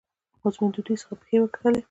اوس مې د دوی څخه پښې وکښلې.